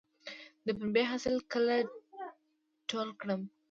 د پنبې حاصل کله ټول کړم؟